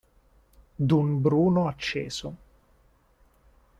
D'un bruno acceso.